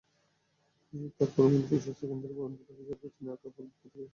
তারপরও মানসিক স্বাস্থ্যকেন্দ্রের বন্ধ দরজার পেছনে আঁকা হলো বিখ্যাত সার্কাস চিত্রগুলো।